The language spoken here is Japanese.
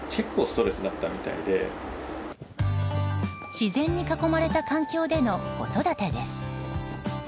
自然に囲まれた環境での子育てです。